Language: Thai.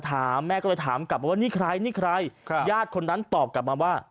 ถามแม่ก็ถามกลับว่านี่ใครนี่ใครยาดคนนั้นตอบกลับมาว่า